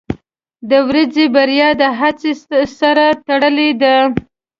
• د ورځې بریا د هڅو سره تړلې ده.